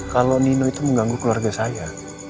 kalau nino itu mengganggu keluarga saya